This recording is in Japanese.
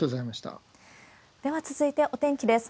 では続いてお天気です。